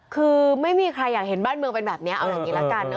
คือไม่มีใครอยากเห็นบ้านเมืองเป็นแบบนี้เอาอย่างนี้ละกันเนอ